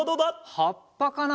はっぱかな？